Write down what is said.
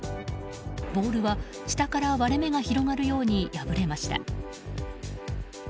ボールは下から割れ目が広がるように破れました。